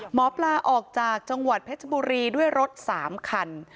หมอปลาออกจากจังหวัดเพชรบุรีด้วยรถ๓คัน